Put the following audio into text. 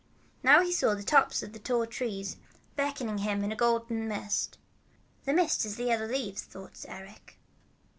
Now he saw the tops of the tall trees beckoning him in a golden mist. "The mist is the yellow leaves they're dropping," thought Eric.